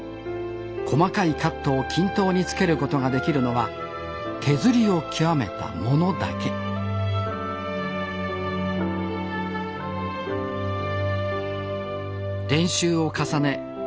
細かいカットを均等につけることができるのは手ずりを極めた者だけ練習を重ね